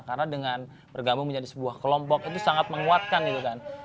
karena dengan bergabung menjadi sebuah kelompok itu sangat menguatkan